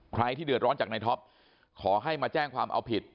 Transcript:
ใครที่เดือดร้อนจากในท็อปขอให้มาแจ้งความเอาผิด